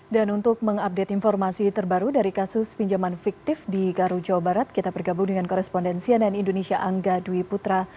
dan untuk mengupdate informasi terbaru dari kasus pinjaman fiktif di garu jawa barat kita bergabung dengan korespondensi ann indonesia angga dwi putra